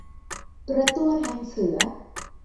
กระตั้วแทงเสือ